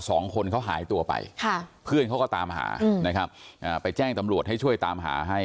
สองคนเขาหายตัวไปค่ะเพื่อนเขาก็ตามหานะครับอ่าไปแจ้งตำรวจให้ช่วยตามหาให้